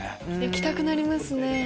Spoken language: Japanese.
行きたくなりますね。